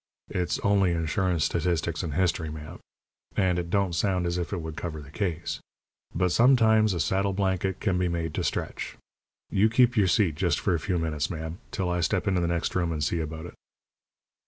It's only Insurance, Statistics, and History, ma'am, and it don't sound as if it would cover the case. But sometimes a saddle blanket can be made to stretch. You keep your seat, just for a few minutes, ma'am, till I step into the next room and see about it."